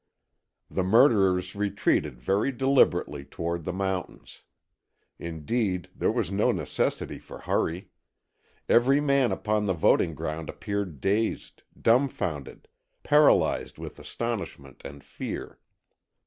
The murderers retreated very deliberately toward the mountains. Indeed, there was no necessity for hurry. Every man upon the voting ground appeared dazed, dumbfounded, paralyzed with astonishment and fear.